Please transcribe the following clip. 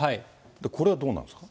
これはどうなんですか。